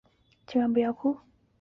千万不要哭！